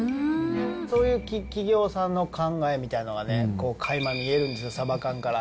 そういう企業さんの考えみたいのがね、かいま見えるんですよ、サバ缶から。